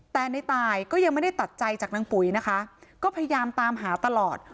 แต่ในตายก็ยังไม่ได้ตัดใจจากนางปุ๋ยนะคะก็พยายามตามหาตลอด